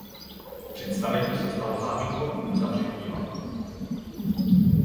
Představení se stalo záminkou k uzavření divadla.